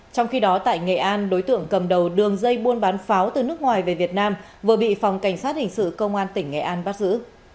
trong khi đó tại nghệ an đối tượng cầm đầu đường dây buôn bán pháo từ nước ngoài về việt nam vừa bị phòng cảnh sát hình sự công an tỉnh nghệ an bắt giữ